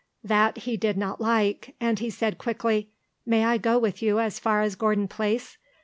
That he did not like, and he said quickly, "May I go with you as far as Gordon Place?"